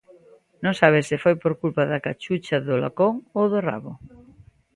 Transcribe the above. Non sabe se foi por culpa da cachucha, do lacón ou do rabo.